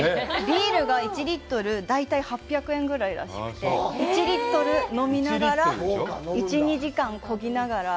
ビールが１リットル大体８００円ぐらいらしくて、１リットル飲みながら１２時間こぎながら。